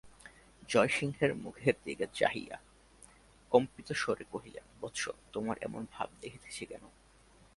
জয়সিংহের মুখের দিকে চাহিয়া কম্পিতস্বরে কহিলেন, বৎস, তোমার এমন ভাব দেখিতেছি কেন?